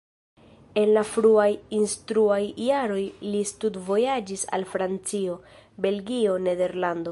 En la fruaj instruaj jaroj li studvojaĝis al Francio, Belgio, Nederlando.